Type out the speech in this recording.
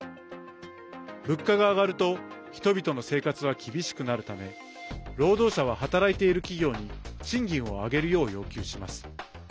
物価が上がると人々の生活は厳しくなるため労働者は働いている企業に賃金を上げるよう要求します。